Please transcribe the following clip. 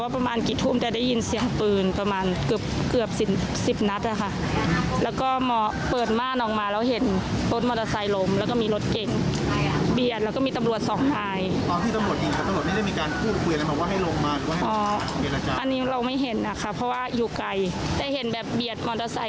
ประมาณเนี้ยค่ะเข้ารถทางนั้นขับหนีไป